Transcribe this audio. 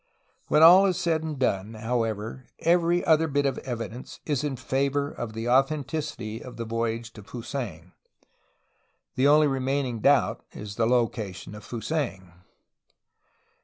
'' When all is said and done, however, every other bit of evidence is in favor of the authenticity of the voyage to Fusang. The only remaining doubt is the loca tion of Fusang.